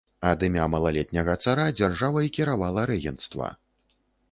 Ад імя малалетняга цара дзяржавай кіравала рэгенцтва.